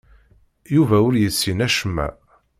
Yuba ur yessin acemma.